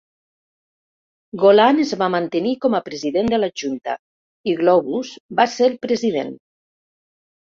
Golan es va mantenir com a president de la Junta i Globus va ser el president.